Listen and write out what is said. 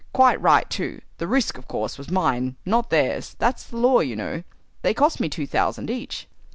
Quite right, too. The risk, of course, was mine, not theirs; that's the law, you know. They cost me two thousand each."